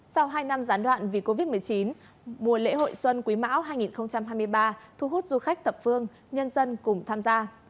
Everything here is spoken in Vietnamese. sau hai năm gián đoạn vì covid một mươi chín mùa lễ hội xuân quý mão hai nghìn hai mươi ba thu hút du khách thập phương nhân dân cùng tham gia